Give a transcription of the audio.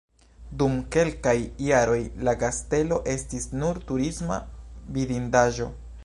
Dum kelkaj jaroj la kastelo estis nur turisma vidindaĵo.